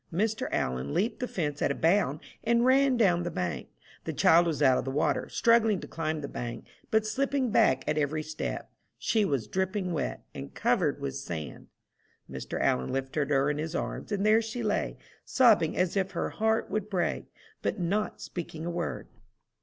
Mr. Allen leaped the fence at a bound, and ran down the bank. The child was out of the water, struggling to climb the bank, but slipping back at every step. She was dripping wet, and covered with sand. Mr. Allen lifted her in his arms, and there she lay, sobbing as if her heart would break, but not speaking a word.